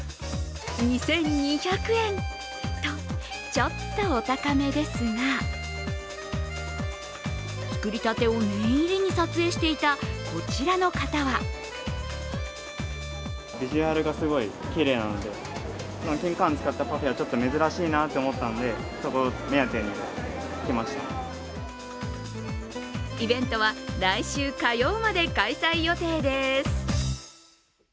２２００円とちょっとお高めですが作りたてを念入りに撮影していたこちらの方はイベントは来週火曜まで開催予定です。